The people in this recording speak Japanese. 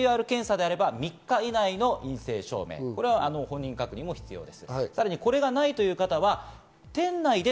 ＰＣＲ検査であれば３日以内の陰性証明、これは本人確認が必要です。